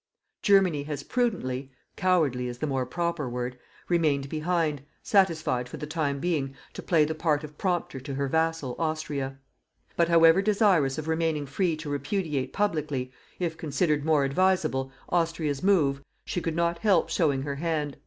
Germany has prudently cowardly is the more proper word remained behind, satisfied, for the time being, to play the part of prompter to her vassal, Austria. But, however desirous of remaining free to repudiate publicly, if considered more advisable, Austria's move, she could not help showing her hand.